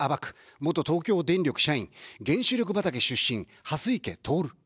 元東京電力社員、原子力畑出身、はすいけ透。